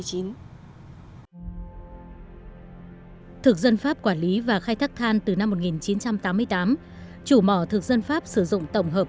thực dân pháp quản lý và khai thác than từ năm một nghìn chín trăm tám mươi tám chủ mỏ thực dân pháp sử dụng tổng hợp